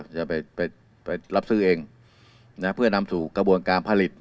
จะไปรับซื้อเองนะเพื่อนำสู่กระบวนการผลิต